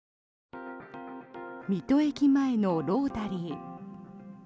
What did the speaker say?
水戸駅前のロータリー。